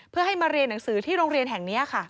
เพื่อให้มาเรียนหนังสือที่โรงเรียนแห่งนี้ค่ะ